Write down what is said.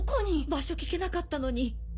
場所聞けなかったのに。